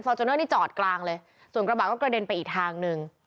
จูเนอร์นี่จอดกลางเลยส่วนกระบะก็กระเด็นไปอีกทางหนึ่ง